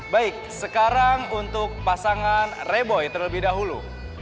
baik sekarang untuk pasangan reboy terlebih dahulu